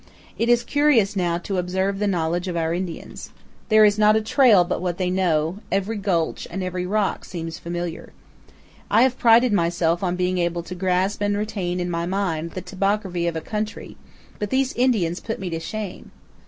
It is curious now to observe the knowledge of our Indians. There is not a trail but what they know; every gulch and every rock seems familiar. I have prided myself on being able to grasp and retain in my mind the topog 300 CANYONS OF THE COLORADO. raphy of a country; but these Indians put me to shame.